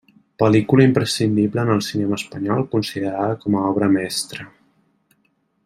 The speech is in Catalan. Pel·lícula imprescindible en el cinema espanyol, considerada com a obra mestra.